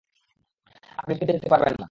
আপনি মদ কিনতে যেতে পারবেন না।